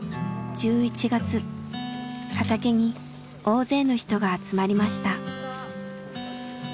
１１月畑に大勢の人が集まりました。